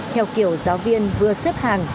theo kiểu giáo viên vừa xếp hàng